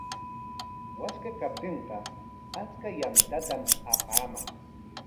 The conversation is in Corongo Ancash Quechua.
Waskaa kaptinqa achka yantatam apaaman.